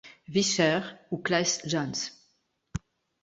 Visscher ou Claes Jansz.